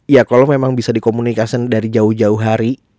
ya kalau memang bisa dikomunikasi dari jauh jauh hari